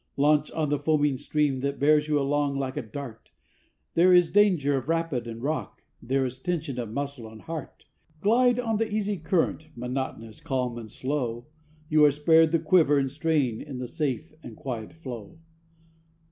Launch on the foaming stream that bears you along like a dart, There is danger of rapid and rock, there is tension of muscle and heart; Glide on the easy current, monotonous, calm, and slow, You are spared the quiver and strain in the safe and quiet flow.